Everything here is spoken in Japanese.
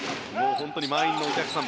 本当に満員のお客さん